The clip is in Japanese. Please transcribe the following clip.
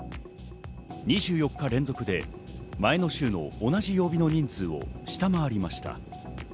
２４日連続で前の週の同じ曜日の人数を下回りました。